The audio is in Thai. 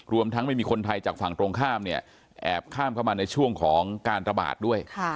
รวมทั้งไม่มีคนไทยจากฝั่งตรงข้ามเนี่ยแอบข้ามเข้ามาในช่วงของการระบาดด้วย